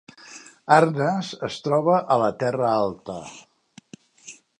Arnes es troba a la Terra Alta